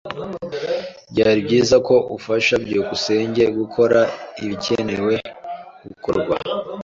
Byari byiza ko ufasha byukusenge gukora ibikenewe gukorwa.